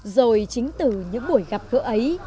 rồi chính từ những buổi gặp gỡ ấy